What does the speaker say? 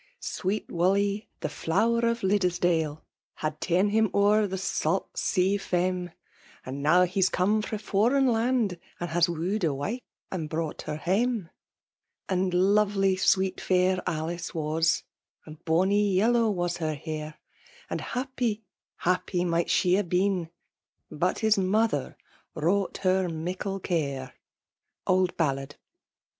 Sweet Wime> the flower of Liddesdale, H«d f akin Um o'er the vaat sea faem, And now he*s come fra' foreign land, And has woo'd a wife and brought her hama. And lot ely sweet fair Alice wasj And bonnie yellow was her hair ; And hap{iy, happy, might she ha' been, But his mother wrought her miekle care. Old Ballad.